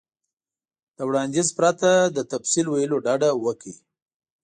له وړاندیز پرته له تفصیل ویلو ډډه وکړئ.